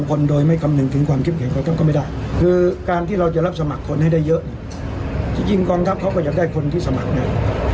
ก็ไม่ได้คือการที่เราจะรับสมัครคนให้ได้เยอะจริงจริงกองทัพเขาก็อยากได้คนที่สมัครได้